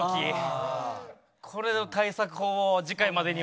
これの対策法を次回までには。